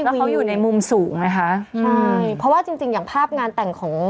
แล้วเขาอยู่ในมุมสูงไงคะใช่เพราะว่าจริงจริงอย่างภาพงานแต่งของ